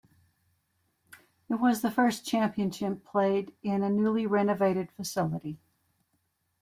It was the first championship played in the newly renovated facility.